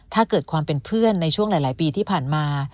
ถ้าเกิดความเป็นเพื่อนในช่วงหลายปีที่ผ่านมา